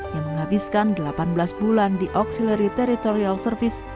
ia menghabiskan delapan belas bulan di auxiliary territorial service